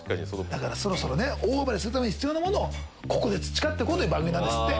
だからそろそろね大暴れするために必要なものをここで培って行こうという番組なんですって。